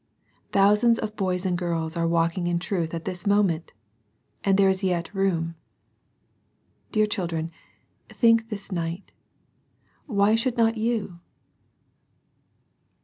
Thousands of boys and girls are walking in truth at this moment, and there is yet room. Dear children, think this night, " Why should not you